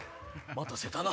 待たせたな。